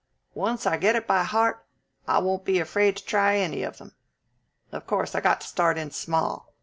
Once I get it by heart, I won't be afraid to try any of them. Of course, I got to start in small.